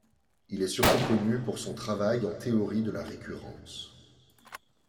Il est surtout connu pour son travail en théorie de la récurrence.